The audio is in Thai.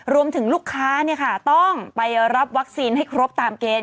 รวมถึงลูกค้าต้องไปรับวัคซีนให้ครบตามเกณฑ์